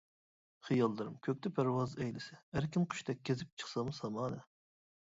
خىياللىرىم كۆكتە پەرۋاز ئەيلىسە، ئەركىن قۇشتەك كېزىپ چىقسام سامانى.